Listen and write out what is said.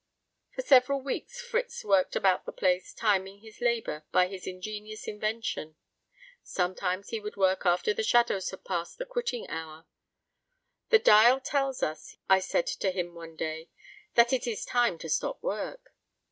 For several weeks Fritz worked about the place timing his labor by his ingenious invention. Sometimes he would work after the shadows had passed the quitting hour. "The dial tells us," I said to him one day, "that it is time to stop work."